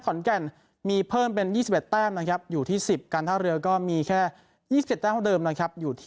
ขอนแก่นมีเพิ่มเป็นยี่สิบเอ็ดแต้มนะครับอยู่ที่สิบการท่าเรือก็มีแค่ยี่สิบเอ็ดแต้มเท่าเดิมนะครับ